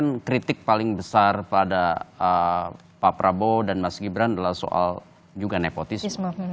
yang kritik paling besar pada pak prabowo dan mas gibran adalah soal juga nepotisme